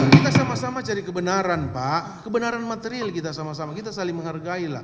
kita sama sama cari kebenaran pak kebenaran material kita sama sama kita saling menghargai lah